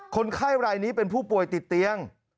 คนไข้รายนี้เป็นผู้ป่วยติดเตียง